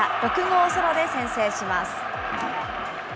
６号ソロで先制します。